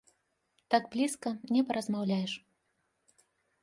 Так блізка не паразмаўляеш.